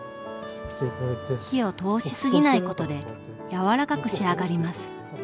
火を通し過ぎないことで柔らかく仕上がります。